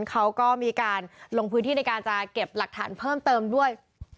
เขาก็มีการลงพื้นที่ในการจะเก็บหลักฐานเพิ่มเติมด้วย